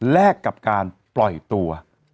แลกกับการปล่อยตัว